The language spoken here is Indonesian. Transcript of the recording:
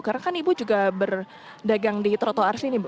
karena kan ibu juga berdagang di trotoar sini ibu